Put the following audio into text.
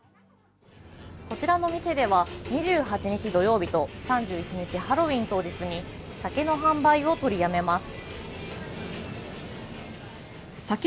こちらの店では２８日土曜日と３１日ハロウィーン当日に酒の販売を取りやめます。